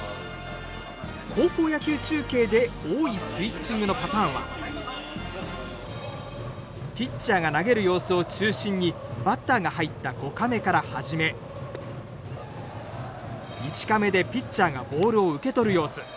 高校野球中継で多いスイッチングのパターンはピッチャーが投げる様子を中心にバッターが入った５カメから始め１カメでピッチャーがボールを受け取る様子